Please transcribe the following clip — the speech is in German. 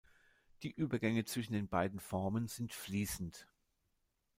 Die Übergänge zwischen den beiden Formen sind fließend.